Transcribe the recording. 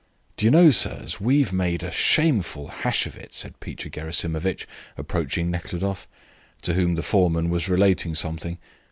"D'you know, sirs, we have made a shameful hash of it?" said Peter Gerasimovitch, approaching Nekhludoff, to whom the foreman was relating something.